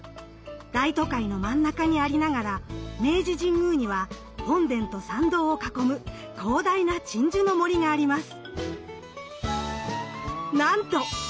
大都会の真ん中にありながら明治神宮には本殿と参道を囲む広大な鎮守の森があります。